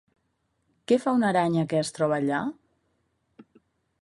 Què fa una aranya que es troba allà?